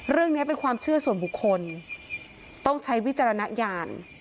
เรื่องนี้เป็นความเชื่อส่วนบุคคลต้องใช้วิจารณญาณ